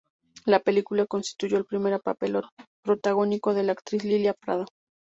La película constituyó el primer papel protagónico de la actriz Lilia Prado.